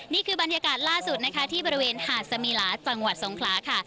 นี่คือบรรยากาศล่าสุดนะคะที่บริเวณหาดสมีลาจังหวัดสงขลาค่ะ